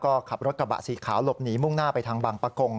ก็ขับรถกระบะสีขาวหลบหนีมุ่งหน้าไปทางบางปะกง